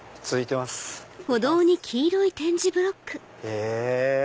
へぇ。